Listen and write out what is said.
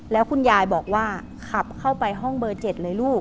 แล้วคุณยายบอกว่าขับเข้าไปห้องเบอร์๗เลยลูก